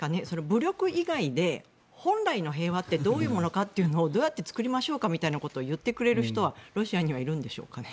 武力以外で本来の平和ってどういうものかというのをどうやって作りましょうかみたいなことを言ってくれる人はロシアにはいるんでしょうかね。